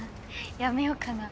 やめようかな？